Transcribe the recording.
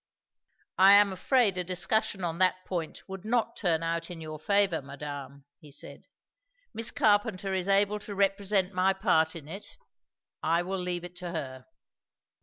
"I am afraid a discussion on that point would not turn out in your favour, madame," he said. "Miss Carpenter is able to represent my part in it; I will leave it to her."